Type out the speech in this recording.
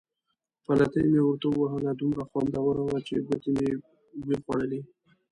پلتۍ مې ورته ووهله، دومره خوندوره وه چې ګوتې مې وې خوړلې.